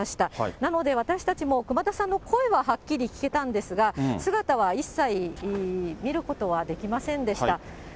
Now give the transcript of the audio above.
なので、私たちも熊田さんの声ははっきり聞けたんですが、姿は一切見ることはできませんでした。